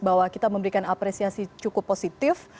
bahwa kita memberikan apresiasi cukup positif